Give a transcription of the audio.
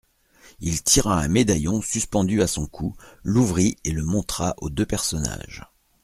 Il tira un médaillon suspendu à son cou, l'ouvrit et le montra aux deux personnages.